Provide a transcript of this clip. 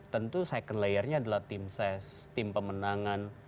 tentu second layer nya adalah tim ses tim pemenangan